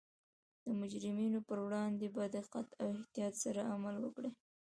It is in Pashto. د مجرمینو پر وړاندې په دقت او احتیاط سره عمل وکړي